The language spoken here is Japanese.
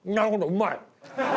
うまい！